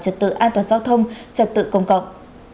trật tự an toàn giao thông trật tự công cộng